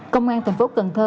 công an tp cần thơ